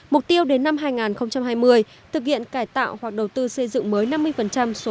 mục tiêu đến năm hai nghìn hai mươi thực hiện cải tạo hoặc đầu tư xây dựng mới năm mươi số lượng trung cư